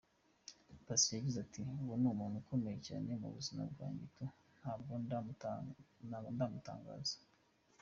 Paccy yagize ati”Uwo ni umuntu ukomeye cyane mu buzima bwanjye tu, ntabwa ndamutangaza.